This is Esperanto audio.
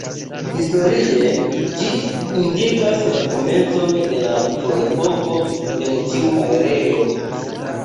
Historie ĝi indikas la komencon de la ferepoko en tiu areo.